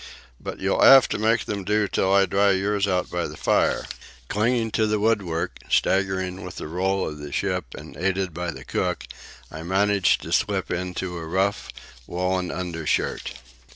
"But you'll 'ave to make them do till I dry yours out by the fire." Clinging to the woodwork, staggering with the roll of the ship, and aided by the cook, I managed to slip into a rough woollen undershirt.